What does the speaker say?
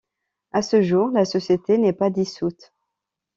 À ce jour, la société n'est pas dissoute.